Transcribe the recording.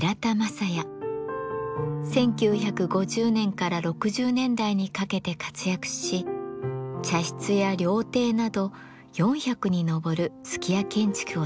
１９５０年から６０年代にかけて活躍し茶室や料亭など４００に上る数寄屋建築を手がけました。